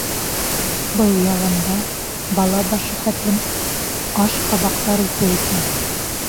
Был яланда бала башы хәтлем ашҡабаҡтар үҫә икән.